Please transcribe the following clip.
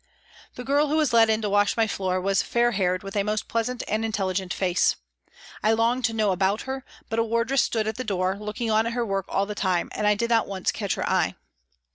The girl who was let in to wash my floor was fair haired, with a most pleasant and intelligent face. I longed to know about her, but a wardress stood at the door looking on at her work all the time, and I did not once catch her eye.